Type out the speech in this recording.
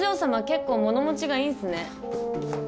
結構物持ちがいいんすね。